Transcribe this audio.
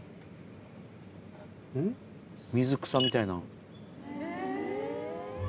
水草みたいな。